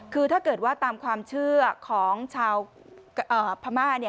คือถ้าเกิดว่าตามความเชื่อของชาวพม่า